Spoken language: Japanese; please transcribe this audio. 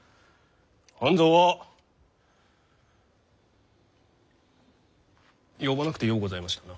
半蔵は呼ばなくてようございましたな。